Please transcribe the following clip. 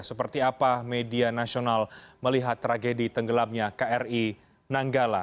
seperti apa media nasional melihat tragedi tenggelamnya kri nanggala